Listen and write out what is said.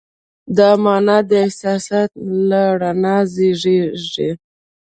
دا مانا د احساساتو له رڼا زېږېږي.